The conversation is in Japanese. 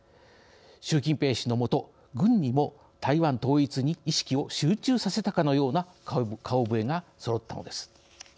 習近平氏の下軍にも台湾統一に意識を集中させたかのような顔ぶれがそろったのです。